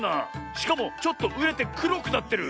しかもちょっとうれてくろくなってる。